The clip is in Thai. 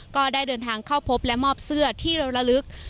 ก็ได้เดินทางเข้าพบและมอบเสื้อที่เราระลึก